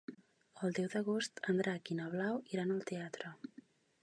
El deu d'agost en Drac i na Blau iran al teatre.